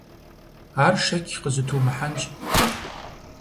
Ар шэч къызытумыхьэнщ.